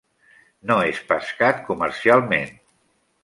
No és pescat comercialment.